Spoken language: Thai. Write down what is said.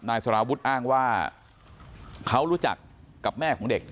สารวุฒิอ้างว่าเขารู้จักกับแม่ของเด็ก